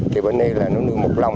thì bây giờ nó nuôi một lồng